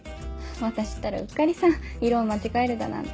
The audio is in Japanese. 私ったらうっかりさん色を間違えるだなんて。